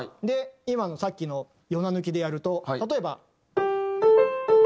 今のさっきの４７抜きでやると例えば。